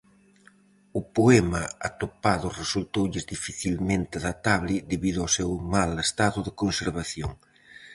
O poema atopado resultoulles dificilmente datable debido ao seu mal estado de conservación.